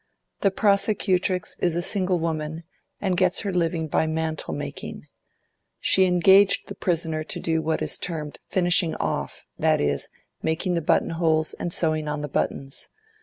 The prosecutrix is a single woman, and gets her living by mantle making. She engaged the prisoner to do what is termed "finishing off," that is, making the button holes and sewing on the buttons.